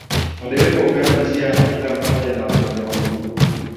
Madereva hupeana njia na kila mmoja na watembea kwa miguu